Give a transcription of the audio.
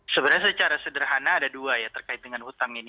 sebenarnya secara sederhana ada dua ya terkait dengan hutang ini